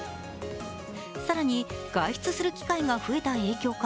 更に、外出する機会が増えた影響か